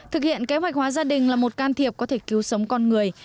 thực hiện kế hoạch hóa gia đình là một can thiệp có thể cứu sống con người